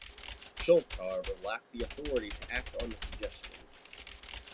Shultz however lacked the authority to act on the suggestion.